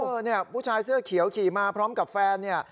เนี่ยผู้ชายเสื้อเขียวขี่มาพร้อมกับแฟนเนี่ย